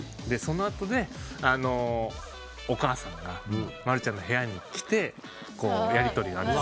その後でお母さんがまるちゃんの部屋に来てやりとりが。